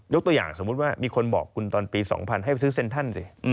ตัวอย่างสมมุติว่ามีคนบอกคุณตอนปี๒๐๐ให้ไปซื้อเซ็นทรัลสิ